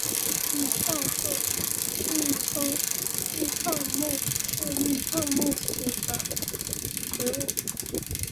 愈创树亦称愈创木是愈创木属的植物。